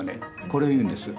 これを言うんです。